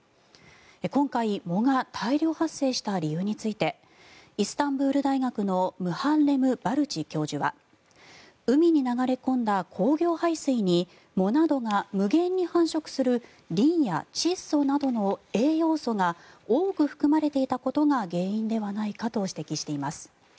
今回、藻が大量発生した理由についてイスタンブール大学のムハッレム・バルチ教授は海に流れ込んだ工業廃水に藻などが無限に繁殖するリンや窒素などの栄養素が多く含まれていたことが原因ではないかと指摘しています。